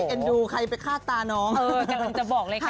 เอ็นดูใครไปฆ่าตาน้องฮึฮึฮึฮึบอกเลยใครทำ